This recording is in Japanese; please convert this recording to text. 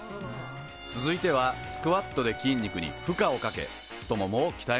続いてはスクワットで筋肉に負荷をかけ太ももをきたえましょう。